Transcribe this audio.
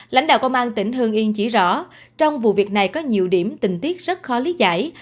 lãnh đạo công an tỉnh hương yên chỉ rõ trong vụ việc này có nhiều điểm tình tiết rất khó lý giải